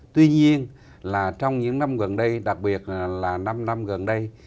tuy nhiên là trong những năm gần đây đặc biệt là năm năm gần đây